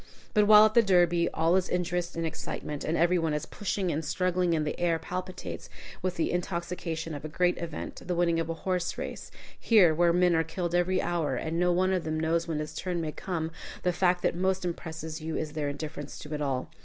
But while at the Derby all is interest and excitement, and every one is pushing and struggling, and the air palpitates with the intoxication of a great event, the winning of a horse race here, where men are killed every hour and no one of them knows when his turn may come, the fact that most impresses you is their indifference to it all.